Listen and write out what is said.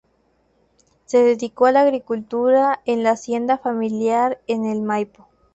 Se dedicó a la agricultura en la hacienda familiar en el Maipo.